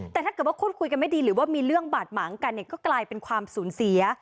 แต่ถ้าเกิดว่าพูดคุยกันไม่ดีหรือว่ามีเรื่องบาดหมางกันเนี่ยก็กลายเป็นความสูญเสีย